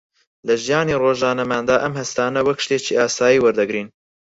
لە ژیانی ڕۆژانەماندا ئەم هەستانە وەک شتێکی ئاسایی وەردەگرین